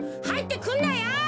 はいってくんなよ！